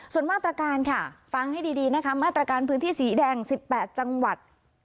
ส่วนมาตรการค่ะฟังให้ดีนะคะมาตรการพื้นที่สีแดง๑๘จังหวัด